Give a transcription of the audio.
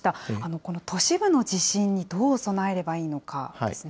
この都市部の地震にどう備えればいいのかですね。